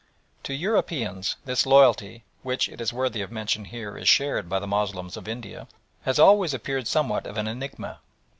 To Europeans this loyalty, which, it is worthy of mention here, is shared by the Moslems of India, has always appeared somewhat of an enigma.